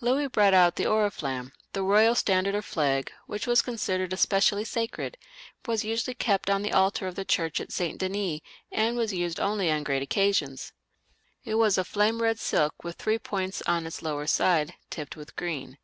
Louis brought out the Oriflamme, the royal standard or flag, which was considered especially sacred, was usually kept on the altar of the church at St. Denis, and was used only on great occasions. It was of flame red silk, with three poiats on its lower ^ide, tipped with green.